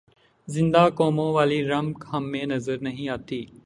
زندہ قوموں والی رمق ہم میں نظر نہیں آتی۔